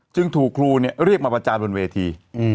จึงถูกครูเรียกมาประจานบนเวที